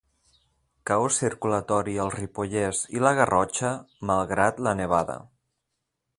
Caos circulatori al Ripollès i la Garrotxa malgrat la nevada.